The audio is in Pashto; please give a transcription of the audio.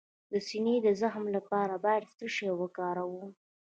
د سینې د زخم لپاره باید څه شی وکاروم؟